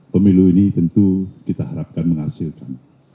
pemilu ini tentu kita harapkan menghasilkan